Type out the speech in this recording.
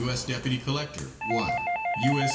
S. Deputy Collector, 1 U.S.